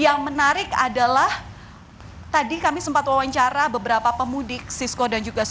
yang menarik adalah tadi kami sempat wawancara beberapa pemudik sisko dan juga siswa